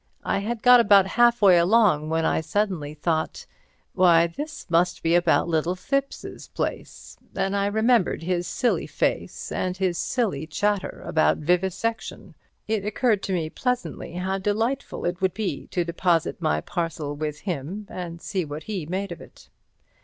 I had got about half way along when I suddenly thought, "Why, this must be about little Thipps's place," and I remembered his silly face, and his silly chatter about vivisection. It occurred to me pleasantly how delightful it would be to deposit my parcel with him and see what he made of it.